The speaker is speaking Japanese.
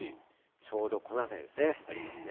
ちょうどこの辺りですね。ありますね。